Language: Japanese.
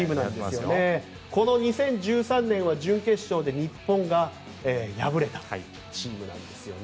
この２０１３年は準決勝で日本が敗れたチームなんですね。